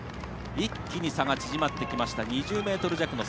一気に差が縮まってきました。